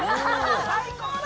最高だ！